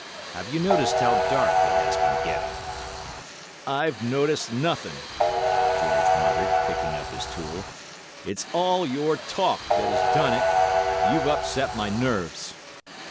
Have you noticed how dark it has been getting?' "'I've noticed nothing,' George muttered, picking up his tool. 'It's all your talk that has done it—you've upset my nerves.